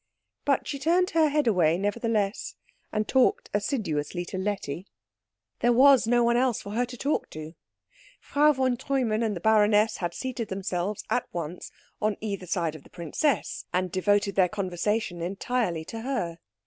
But she turned her head away, nevertheless, and talked assiduously to Letty. There was no one else for her to talk to. Frau von Treumann and the baroness had seated themselves at once one on either side of the princess, and devoted their conversation entirely to her.